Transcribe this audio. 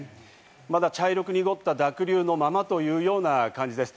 まだ茶色く濁った濁流のままというような感じです。